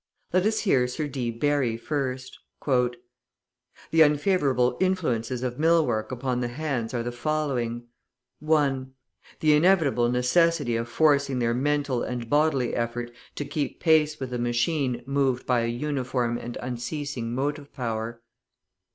Let us hear Sir D. Barry first: "The unfavourable influences of mill work upon the hands are the following: (1) The inevitable necessity of forcing their mental and bodily effort to keep pace with a machine moved by a uniform and unceasing motive power.